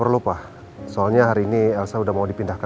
artificial cannibals altijd mau sampai di kota